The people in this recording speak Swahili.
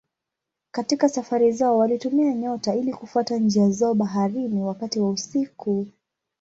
Katika safari zao walitumia nyota ili kufuata njia zao baharini wakati wa usiku.